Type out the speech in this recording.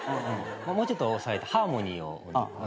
もうちょっと抑えてハーモニーを。